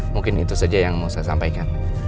mungkin itu saja yang mau saya sampaikan